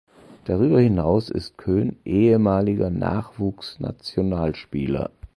Darüber hinaus ist Köhn ehemaliger Nachwuchsnationalspieler.